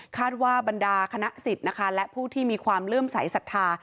คาดว่าบรรดาคณะสิทธินะคะและผู้ที่มีความเลื่อมศัยศัฐา